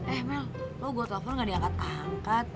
eh mel lo gue telepon gak diangkat angkat